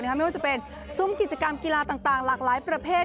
ไม่ว่าจะเป็นซุ้มกิจกรรมกีฬาต่างหลากหลายประเภท